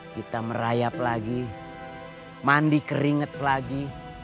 kita merayap lagi mandi keringet lagi